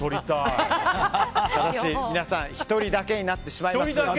ただし皆さん１人だけになってしまいます。